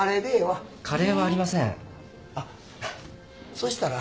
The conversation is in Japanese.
そしたら。